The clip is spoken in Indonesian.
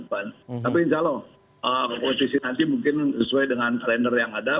tapi insya allah posisi nanti mungkin sesuai dengan kalender yang ada